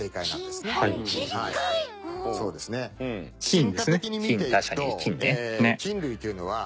そうですね。